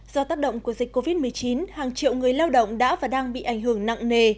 do tác động của dịch covid một mươi chín hàng triệu người lao động đã và đang bị ảnh hưởng nặng nề